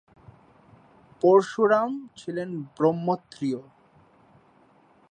পরশুরাম ছিলেন ব্রহ্মক্ষত্রিয়।